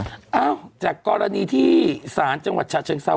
เอ้าจากกรณีที่ศาลจังหวัดฉะเชิงเซา